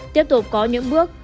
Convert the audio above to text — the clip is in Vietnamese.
tiếp tục có những bước